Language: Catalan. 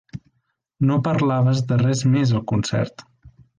No parlaves de res més al concert.